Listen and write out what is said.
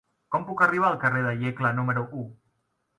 Com puc arribar al carrer de Iecla número u?